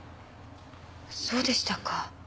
そうでしたか。